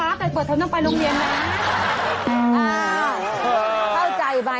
แต่เกิดทำต้องไปโรงเรียนนะ